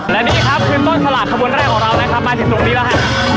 และนี่ครับคือต้นสลากขบวนแรกของเรานะครับมาถึงตรงนี้แล้วฮะ